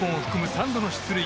３度の出塁。